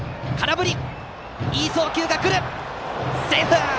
いい送球がくるが、セーフ！